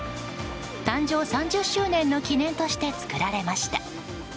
誕生３０周年の記念として作られました。